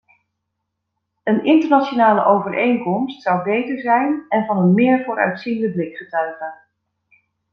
Een internationale overeenkomst zou beter zijn en van een meer vooruitziende blik getuigen.